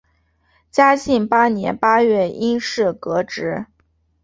嘉庆八年八月因事革职。